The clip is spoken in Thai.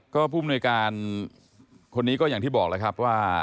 ก็ผู้มนุยการคนนี้ก็อย่างที่บอกแล้วครับว่า